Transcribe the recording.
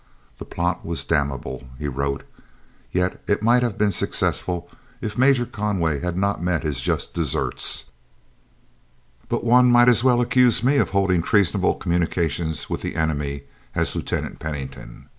"The plot was damnable," he wrote, "yet it might have been successful if Major Conway had not met his just deserts. But one might as well accuse me of holding treasonable communications with the enemy as Lieutenant Pennington.